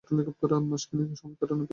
মাস খানেক সময় কাটানোর ব্যাপারে বলছ?